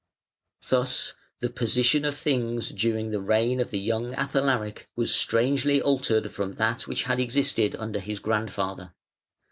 Thus the position of things during the reign of the young Athalaric was strangely altered from that which had existed under his grandfather.